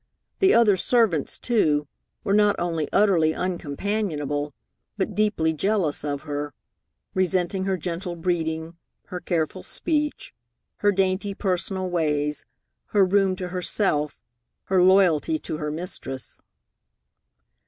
The other servants, too, were not only utterly uncompanionable, but deeply jealous of her, resenting her gentle breeding, her careful speech, her dainty personal ways, her room to herself, her loyalty to her mistress.